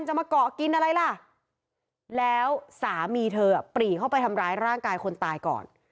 มาเกาะกินอะไรล่ะแล้วสามีเธอปรีเข้าไปทำร้ายร่างกายคนตายก่อน